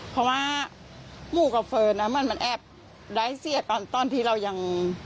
เพราะว่าหมู่กับเฟิร์นมันแอบได้เสียตอนที่เรายัง